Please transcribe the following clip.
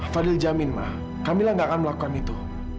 fadil jamin ma kamila gak akan melakukan itu